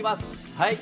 はい！